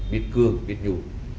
biết cương biết nhủ